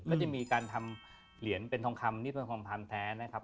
ก็จะมีการทำเหรียญเป็นทองคำเนื้อทองคำแท้นะครับ